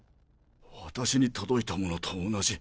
私に届いたものと同じ。